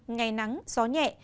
ngày nắng gió nhẹ